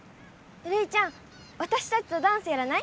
レイちゃんわたしたちとダンスやらない？